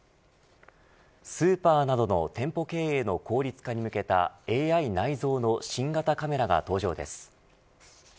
スーパーなどの店舗経営の効率化に向けたＡＩ内蔵の新型カメラが登場です。